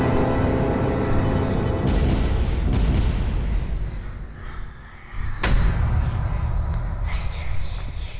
tunggu dulu music